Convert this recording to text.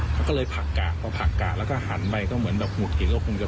เค้าก็เลยผักก่าโดยผักก๋าดละก็หันใบแบบหมุดใหญ่ก็คงจะไปปล่อยคุณเอ๊ะเลยจังหวะนั้น